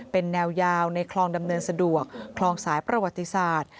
เป็นแนวยาวในคลองดำเนินสะดวกคลองสายประวัติศาสตร์